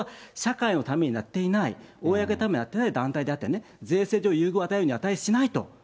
これは社会のためになっていない、公のためになっていない団体であって、税制上、優遇を与えるに値しないと。